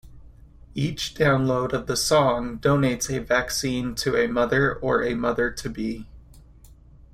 Each download of the song donates a vaccine to a mother or a mother-to-be.